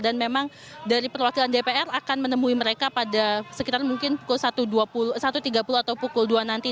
dan memang dari perwakilan dpr akan menemui mereka pada sekitar mungkin pukul satu tiga puluh atau pukul dua nanti